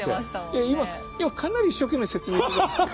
いや今今かなり一生懸命説明しました。